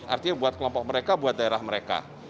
artinya buat kelompok mereka buat daerah mereka